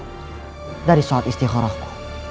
kepada petunjuk dari sholat istiqorohku